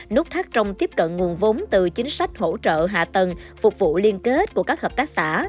nút thắt trong tiếp cận nguồn vốn từ chính sách hỗ trợ hạ tầng phục vụ liên kết của các hợp tác xã